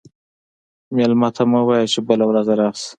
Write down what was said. مېلمه ته مه وایه چې بله ورځ راشه.